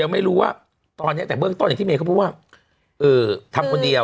ไม่รู้ว่าตอนนี้แต่เบื้องต้นอย่างที่เมย์เขาพูดว่าทำคนเดียว